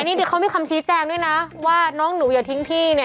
อันนี้เขามีคำสีแจงด้วยนะว่าน้องหนูอย่าทิ้งพี่น่ะ